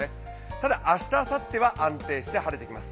ただ、明日、あさっては安定して晴れてきます。